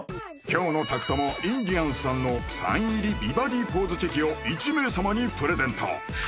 今日の宅トモインディアンスさんのサイン入り美バディポーズチェキを１名様にプレゼント